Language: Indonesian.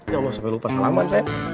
ya allah sampai lupa salam mas